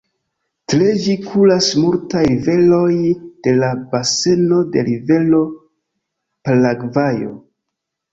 Tra ĝi kuras multaj riveroj de la baseno de rivero Paragvajo.